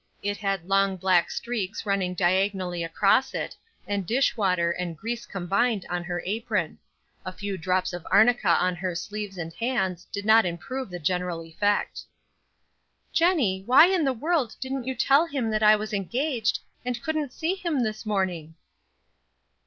It had long black streaks running diagonally across it, and dish water and grease combined on her apron; a few drops of arnica on her sleeves and hands did not improve the general effect. "Jennie, why in the world didn't you tell him that I was engaged, and couldn't see him this morning?"